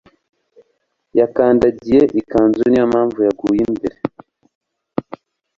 yakandagiye ikanzu niyompamvu yaguye imbere